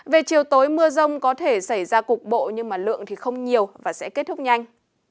về chiều tối mưa rông có thể xảy ra cục bộ nhưng lượng thì không nhiều và sẽ kết thúc nhanh